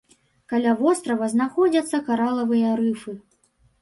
Каля вострава знаходзяцца каралавыя рыфы.